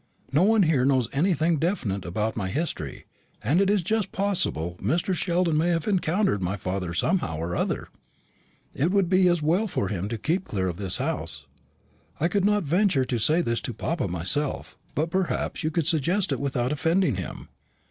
No one here knows anything definite about my history; and as it is just possible Mr. Sheldon may have encountered my father somehow or other, it would be as well for him to keep clear of this house. I could not venture to say this to papa myself, but perhaps you could suggest it without offending him.